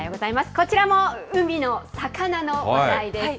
こちらも海の魚の話題です。